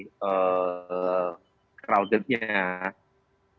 terus perlahan setelah kurang lebih setengah jam itu